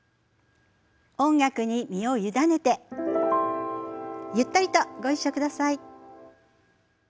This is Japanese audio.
音楽に身を委ねてゆったりとご一緒ください。